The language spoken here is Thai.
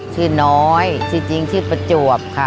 ชื่อน้อยชื่อจริงชื่อประจวบค่ะ